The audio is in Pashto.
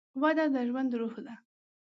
وده د ژوند روح ده.